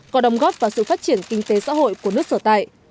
có đồng góp vào sự phát triển kinh tế xã hội của nước sở tại